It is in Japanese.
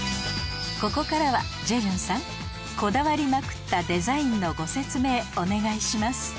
ここからはジェジュンさんこだわりまくったデザインのご説明お願いします